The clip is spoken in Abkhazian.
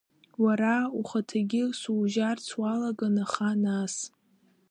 Уара ухаҭагьы сужьарц уалаган, аха, нас…